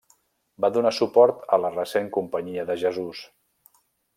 Va donar suport a la recent Companyia de Jesús.